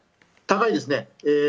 高いですね。